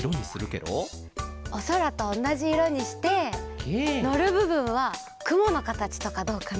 おそらとおなじいろにしてのるぶぶんはくものかたちとかどうかな？